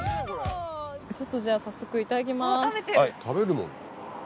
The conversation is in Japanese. ちょっとじゃあ早速いただきます。